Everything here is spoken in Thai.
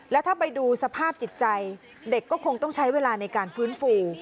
แล้วถ้าไปดูสภาพจิตใจเด็กก็คงต้องใช้เวลาในการฟื้นฟู